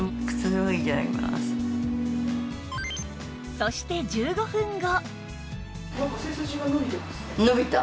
そして１５分後